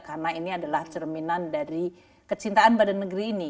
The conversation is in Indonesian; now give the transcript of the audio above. karena ini adalah cerminan dari kecintaan badan negeri ini